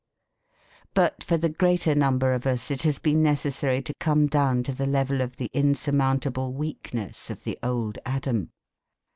But for the greater number of us it has been necessary to come down to the level of the insurmountable weakness of the old Adam.